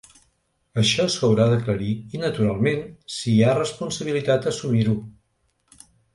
Això s’haurà d’aclarir i, naturalment, si hi ha responsabilitat, assumir-ho.